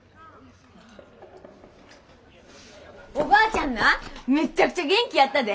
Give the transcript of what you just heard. おばあちゃんなめっちゃくちゃ元気やったで。